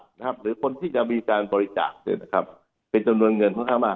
ถ้าเป็นบริษัทหรือคนที่จะมีการบริจาคเป็นจำนวนเงินค่อนข้างมาก